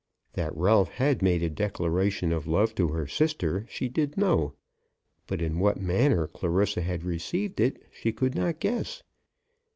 That Ralph had made a declaration of love to her sister she did know; but in what manner Clarissa had received it she could not guess.